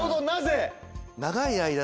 なぜ？